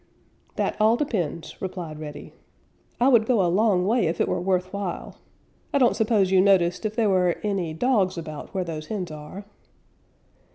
"That all depends," replied Reddy. "I would go a long way if it were worth while. I don't suppose you noticed if there were any dogs about where those hens are?"